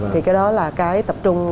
thì cái đó là cái tập trung